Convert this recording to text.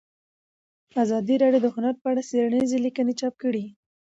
ازادي راډیو د هنر په اړه څېړنیزې لیکنې چاپ کړي.